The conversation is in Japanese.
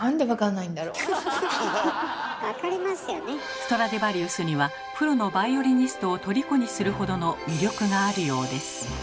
ストラディヴァリウスにはプロのバイオリニストをとりこにするほどの魅力があるようです。